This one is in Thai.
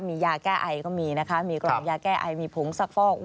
มียาแก้ไอก็มีนะคะมีกล่องยาแก้ไอมีผงซักฟอก